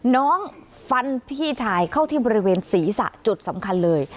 น้องฟันพี่ชายเข้าที่บริเวณศีรษะจุดสำคัญเลย